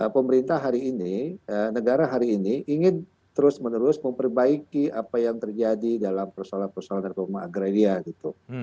pemerintah hari ini negara hari ini ingin terus menerus memperbaiki apa yang terjadi dalam persoalan persoalan reforma agraria gitu